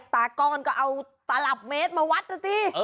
ตาก้อนก็เอาตลับเมตรมาวัดนะสิ